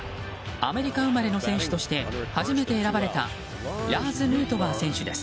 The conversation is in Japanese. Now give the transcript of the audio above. アメリカ生まれの選手として初めて選ばれたラーズ・ヌートバー選手です。